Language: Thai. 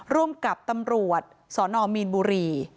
ร่วมกับตำรวจสนมีนบุรี